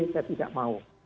saya tidak mau